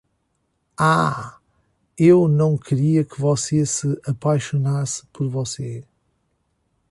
Ah, eu não queria que você se apaixonasse por você!